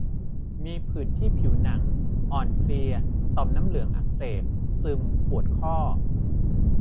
มีผื่นที่ผิวหนัง อ่อนเพลีย ต่อมน้ำเหลืองอักเสบ ซึม ปวดข้อ